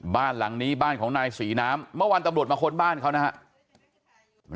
บ้านหลังนี้บ้านของนายศรีน้ำเมื่อวานตำรวจมาค้นบ้านเขานะครับ